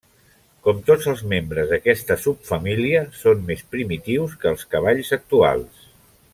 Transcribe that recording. Com tots els membres d'aquesta subfamília, són més primitius que els cavalls actuals.